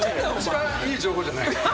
一番いい情報じゃないです？